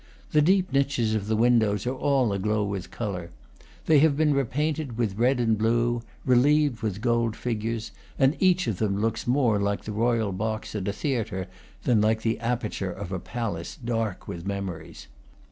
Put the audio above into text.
The deep niches of the windows are all aglow with color. They have been repainted with red and blue, relieved with gold figures; and each of them looks more like the royal box at a theatre than like the aperture of a palace dark with memories.